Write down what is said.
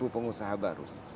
sepuluh pengusaha baru